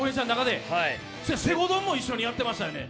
「西郷どん」も一緒にやってましたよね？